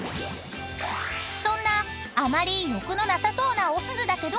［そんなあまり欲のなさそうなおすずだけど］